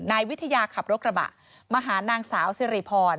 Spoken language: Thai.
นายวิทยาขับรถกระบะมาหานางสาวสิริพร